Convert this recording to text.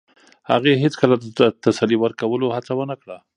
هغې هیڅکله د تسلي ورکولو هڅه ونه کړه.